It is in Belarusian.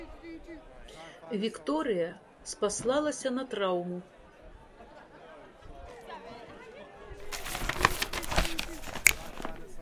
Вікторыя спаслалася на траўму.